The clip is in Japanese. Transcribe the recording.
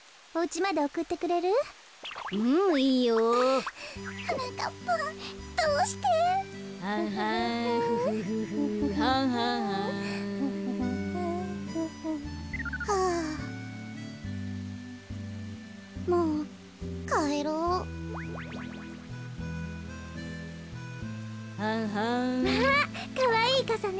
まあかわいいかさね。